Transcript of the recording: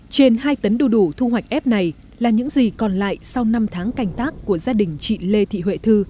trên hai tấn đu đủ thu hoạch ép này là những gì còn lại sau năm tháng cành tác của gia đình chị lê thị huệ thư